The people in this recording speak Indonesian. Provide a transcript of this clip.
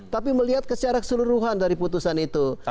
tapi melihat secara keseluruhan dari putusan itu